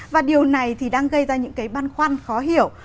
và điều này thì đang gây ra những cái băn khoăn khó hiểu